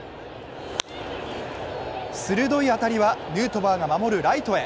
鋭い当たりはヌートバーが守るライトへ。